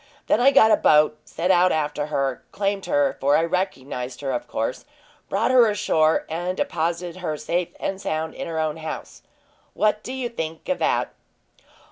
Then I got a boat, set out after her, claimed her for I recognized her, of course brought her ashore, and deposited her safe and sound in her own house. What do you think of that?"